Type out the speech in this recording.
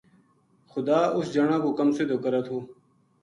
خدا اِس جنا کو کم سدھو کرے تھو